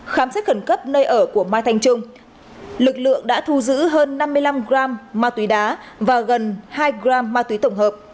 khám xét khẩn cấp nơi ở của mai thanh trung lực lượng đã thu giữ hơn năm mươi năm gram ma túy đá và gần hai gram ma túy tổng hợp